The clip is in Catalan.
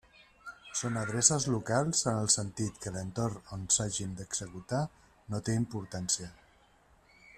Són adreces locals en el sentit que l'entorn on s'hagin d'executar no té importància.